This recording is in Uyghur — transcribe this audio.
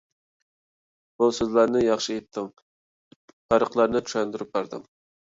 بۇ سۆزلەرنى ياخشى ئېيتتىڭ. پەرقلەرنى چۈشەندۈرۈپ بەردىڭ.